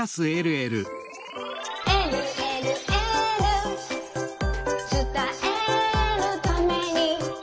「えるえるエール」「つたえるために」